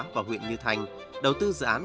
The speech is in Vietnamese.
và huyện như thành đầu tư dự án